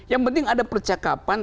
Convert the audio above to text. yang penting ada percakapan